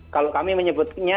kalau kami menyebutnya